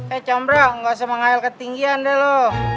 eh combro gak usah mengayal ketinggian deh lo